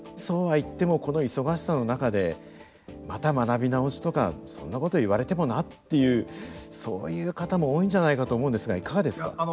そうは言ってもこの忙しさの中でまた学び直しとかそんなこと言われてもなっていうそういう方も多いんじゃないかと思うんですがいかがですか。